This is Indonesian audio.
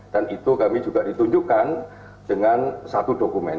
dan itu kami juga ditunjukkan dengan satu dokumen